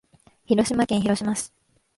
広島県広島市